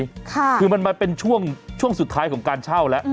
คือมันมาเป็นช่วงช่วงสุดท้ายของการเช่าแล้ว